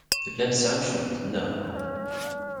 Tellam tesɛam cwiṭ, naɣ?